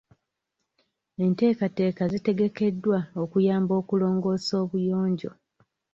Enteekateeka zitegekeddwa okuyamba okulongoosa obuyonjo.